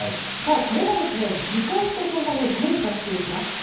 これが時間と共に変化していきます。